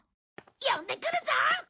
呼んでくるぞ！